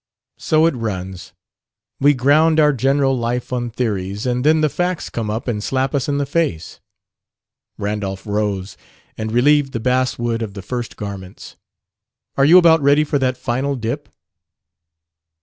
"So it runs. We ground our general life on theories, and then the facts come up and slap us in the face." Randolph rose and relieved the basswood of the first garments. "Are you about ready for that final dip?"